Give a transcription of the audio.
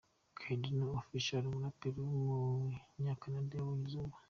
Kardinal Offishall, umuraperi w’umunyakanada yabonye izuba.